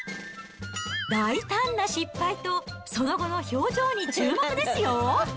大胆な失敗と、その後の表情に注目ですよ。